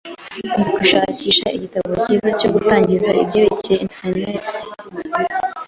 Ndi gushakisha igitabo cyiza cyo gutangiza ibyerekeye interineti.